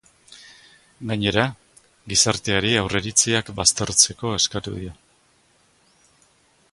Gainera, gizarteari aurreiritziak baztertzeko eskatu dio.